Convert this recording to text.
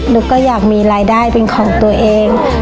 ุ๊กก็อยากมีรายได้เป็นของตัวเอง